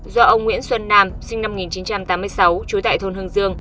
do ông nguyễn xuân nam sinh năm một nghìn chín trăm tám mươi sáu trú tại thôn hưng dương